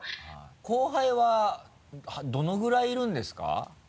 後輩はどのぐらいいるんですか？